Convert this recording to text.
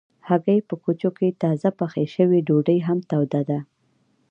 هګۍ په کوچو کې تازه پخې شوي ډوډۍ هم توده ده.